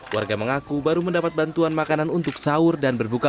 warga mengaku baru mendapat bantuan makanan untuk sahur dan berbuka